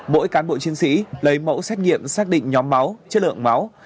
mỗi cán bộ chiến sĩ lấy mẫu xét nghiệm xác định nhóm máu chất lượng máu